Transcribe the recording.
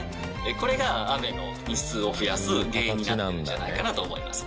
これが雨の日数を増やす原因になってるんじゃないかなと思います